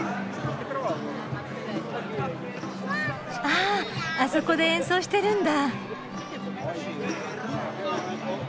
ああそこで演奏してるんだ。